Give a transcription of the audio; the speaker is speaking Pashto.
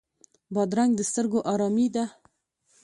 بادرنګ د سترګو آرامي ده.